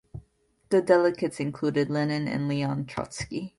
The delegates included Lenin and Leon Trotsky.